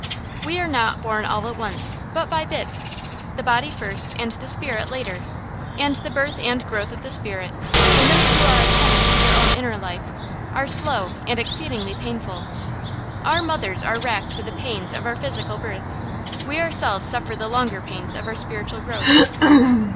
We are not born all at once, but by bits. The body first and the spirit later; and the birth and growth of the spirit, in those who are attentive to their own inner life, are slow and exceedingly painful. Our mothers are racked with the pains of our physical birth; we ourselves suffer the longer pains of our spiritual growth.